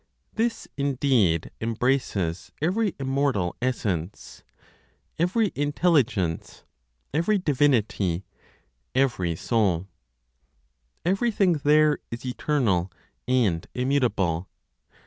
This indeed embraces every immortal essence, every intelligence, every divinity, every soul; everything there is eternal and immutable.